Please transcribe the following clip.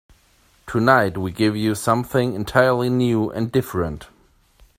Tonight we give you something entirely new and different.